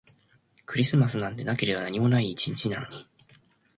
クリスマスなんてなければ何にもない一日なのに